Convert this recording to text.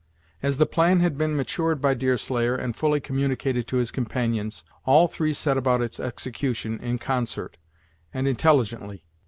As the plan had been matured by Deerslayer, and fully communicated to his companions, all three set about its execution, in concert, and intelligently.